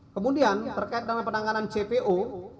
kemudian terkait dengan penanganan cpo